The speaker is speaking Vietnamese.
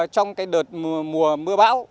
trong cái đợt mùa mưa bão